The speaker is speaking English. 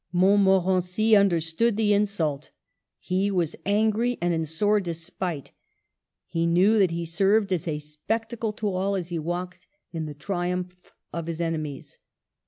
Montmorency under stood the insult. He was angry and in sore despite ; he knew that he served as a spectacle to all as he walked in the triumph of his ene mies.